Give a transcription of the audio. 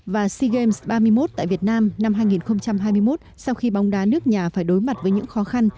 và sea games ba mươi một tại việt nam năm hai nghìn hai mươi một sau khi bóng đá nước nhà phải đối mặt với những khó khăn